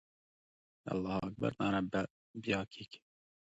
د الله اکبر ناره به بیا کېږي.